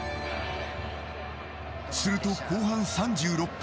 すると後半３６分。